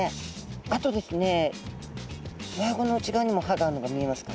あとですねうわあごの内側にも歯があるのが見えますか？